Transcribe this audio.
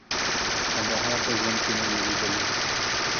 کندهار په ژوند کې نه وې لیدلي.